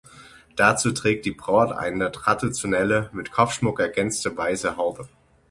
Dazu trägt die Braut eine traditionelle, mit Kopfschmuck ergänzte weiße Haube.